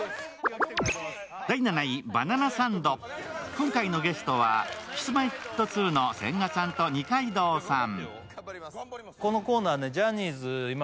今回のゲストはＫｉｓ−Ｍｙ−Ｆｔ２の千賀さんと二階堂さん。